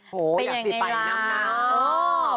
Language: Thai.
โหยังไงล่ะ